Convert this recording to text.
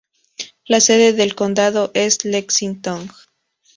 La sede de condado es Lexington.